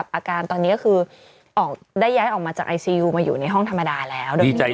เพ้ารอเนอะ